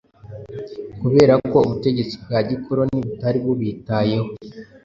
kubera ko ubutegetsi bwa gikoloni butari bubitayeho.